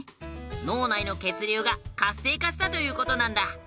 脳内の血流が活性化したという事なんだ。